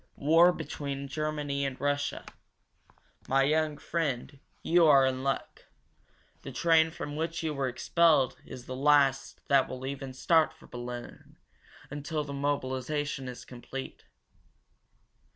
"War between Germany and Russia! My young friend, you are in hard luck! The train from which you were expelled is the last that will even start for Berlin until the mobilization is complete."